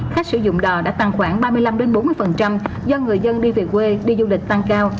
khách sử dụng đò đã tăng khoảng ba mươi năm bốn mươi do người dân đi về quê đi du lịch tăng cao